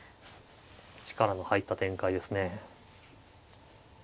力の入った展開ですね。